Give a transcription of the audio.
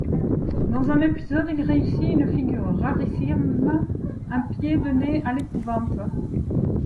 Dans un épisode, il réussit une figure rarissime, un pied de nez à l'épouvante.